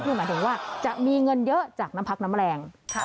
คือหมายถึงว่าจะมีเงินเยอะจากน้ำพักน้ำแรง